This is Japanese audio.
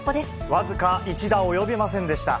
僅か１打及びませんでした。